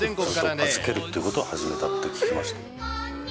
そこで預けるということを始めたって聞きました。